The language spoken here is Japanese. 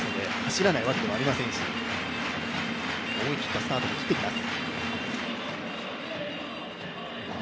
思い切ったスタートを切っていきます。